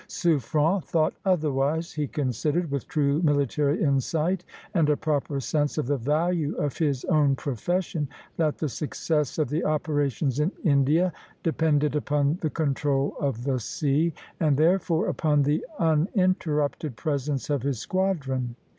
Suffren thought otherwise; he considered, with true military insight and a proper sense of the value of his own profession, that the success of the operations in India depended upon the control of the sea, and therefore upon the uninterrupted presence of his squadron.